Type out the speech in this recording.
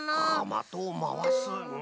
まとをまわすうん？